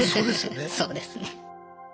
そうですね。